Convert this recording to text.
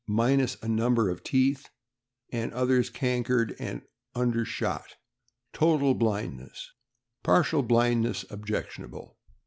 e., minus a number of teeth, and others cankered; also undershot; total blindness (partial blindness objectionable).